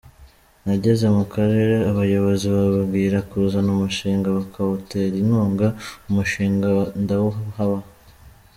Nageze mu Karere abayobozi babwira kuzana umushinga bakawutera inkunga, umushinga ndawubaha.